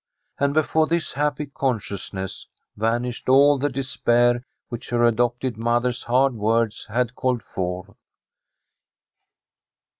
And before this happy consciousness vanished all the despair which her adopted moth er's hard words had called forth.